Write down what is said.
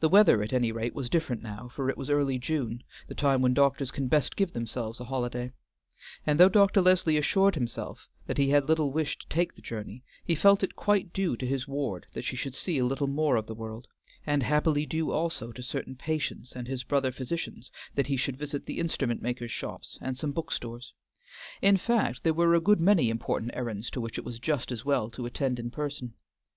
The weather at any rate was different now, for it was early June, the time when doctors can best give themselves a holiday; and though Dr. Leslie assured himself that he had little wish to take the journey, he felt it quite due to his ward that she should see a little more of the world, and happily due also to certain patients and his brother physicians that he should visit the instrument makers' shops, and some bookstores; in fact there were a good many important errands to which it was just as well to attend in person.